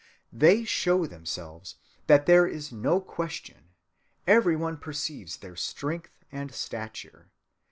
They show themselves, and there is no question; every one perceives their strength and stature.